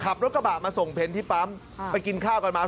ขับรถกระบะมาส่งเพ็ญที่ปั๊มไปกินข้าวกันมา